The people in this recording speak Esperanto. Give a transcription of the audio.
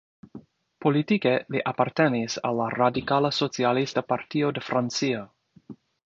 Politike li apartenis al la Radikala Socialista Partio de Francio.